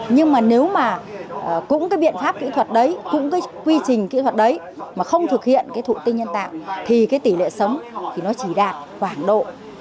nhưng mà nếu mà cũng cái biện pháp kỹ thuật đấy cũng cái quy trình kỹ thuật đấy mà không thực hiện thủ tinh nhân tại thì tỷ lệ sống thì nó chỉ đạt khoảng độ năm mươi sáu mươi